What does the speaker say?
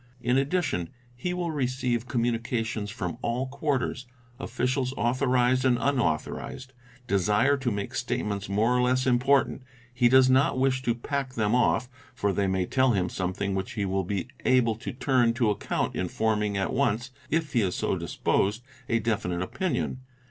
In addition, he will receive _' communications from all quarters; officials, authorised and unauthorised, desire to make statements more or less important; he does not wish to pack them off, for they may tell him something which he will be able | to turn to account in forming at once, if he is so disposed, a definite opinion.